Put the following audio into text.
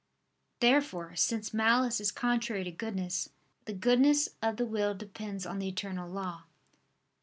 Therefore, since malice is contrary to goodness, the goodness of the will depends on the eternal law.